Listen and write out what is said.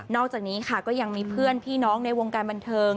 อกจากนี้ค่ะก็ยังมีเพื่อนพี่น้องในวงการบันเทิง